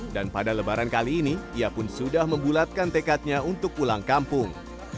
dan pada lebaran kali ini ia pun sudah membulatkan tekadnya untuk pulang kampung